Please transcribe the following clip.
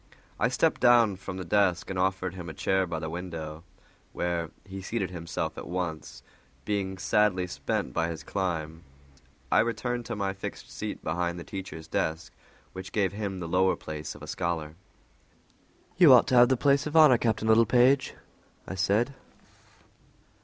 I stepped down from the desk and offered him a chair by the window, where he seated himself at once, being sadly spent by his climb. I returned to my fixed seat behind the teacher's desk, which gave him the lower place of a scholar. "You ought to have the place of honor, Captain Littlepage," I said.